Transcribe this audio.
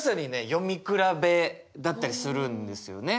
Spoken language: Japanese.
読み比べだったりするんですよね。